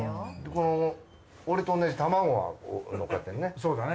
この俺と同じ卵がのっかってるね。